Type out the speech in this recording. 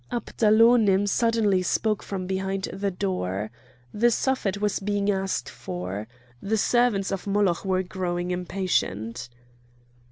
Abdalonim suddenly spoke from behind the door. The Suffet was being asked for. The servants of Moloch were growing impatient.